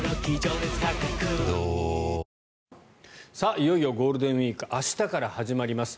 いよいよゴールデンウィーク明日から始まります。